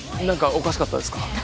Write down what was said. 何かおかしかったですか？